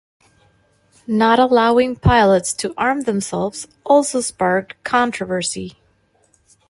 Not allowing pilots to arm themselves also sparked controversy.